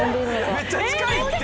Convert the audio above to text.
めっちゃ近いって！